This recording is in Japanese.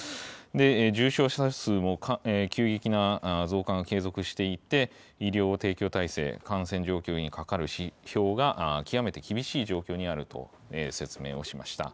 重症者数も急激な増加が継続していて、医療提供体制、感染状況にかかる指標が、極めて厳しい状況にあると説明をしました。